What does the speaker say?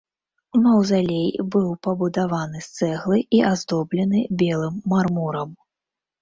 Маўзалей быў пабудаваны з цэглы і аздоблены белым мармурам.